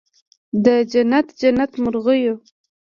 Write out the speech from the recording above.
د جنت، جنت مرغېو